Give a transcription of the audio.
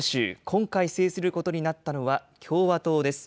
今回、制することになったのは共和党です。